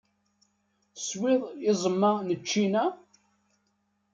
Teswiḍ iẓem-a n ccina?